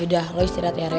yaudah lo istirahat ya re